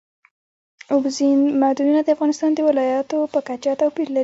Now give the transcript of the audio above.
اوبزین معدنونه د افغانستان د ولایاتو په کچه توپیر لري.